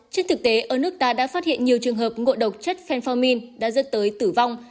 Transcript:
trên thực tế ở nước ta đã phát hiện nhiều trường hợp ngộ độc chất fenformin đã dẫn tới tử vong